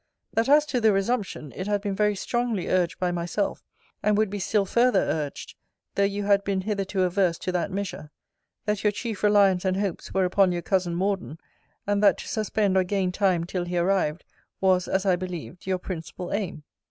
That as to the resumption, it had been very strongly urged by myself, and would be still further urged; though you had been hitherto averse to that measure: that your chief reliance and hopes were upon your cousin Morden; and that to suspend or gain time till he arrived, was, as I believed, your principal aim.